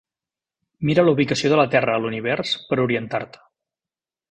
Mira la ubicació de la Terra a l'univers per a orientar-te.